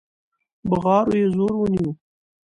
بغارو يې زور ونيو.